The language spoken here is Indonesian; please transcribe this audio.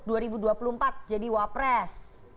mas gibran untuk dua ribu dua puluh empat jadi cawapres